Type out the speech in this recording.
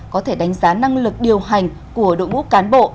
có thể đánh giá năng lực điều hành của đội ngũ cán bộ